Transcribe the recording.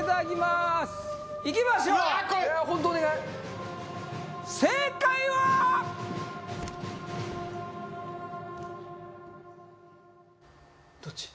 すいきましょううわー正解はどっち？